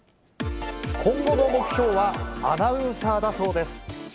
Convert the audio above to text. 今後の目標はアナウンサーだ